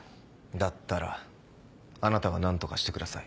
だったらあなたが何とかしてください。